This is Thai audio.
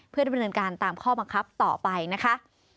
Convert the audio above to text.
เพื่อที่จะบริจารณ์การตามข้อมองคับต่อไปนะคะ